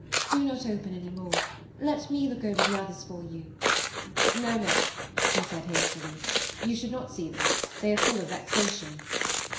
" Do not open any more ; let me look over the others for you." "No, no," he said, hastily. "You should not see them; they are full of vexation."